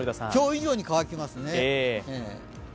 今日以上に乾きますね。